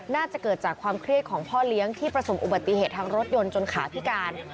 น่าจะเกิดจากความเครียดของพ่อเลี้ยงที่ประสบอุบัติเหตุทางรถยนต์จนขาพิการ